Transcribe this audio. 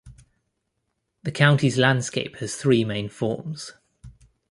The county's landscape has three main forms.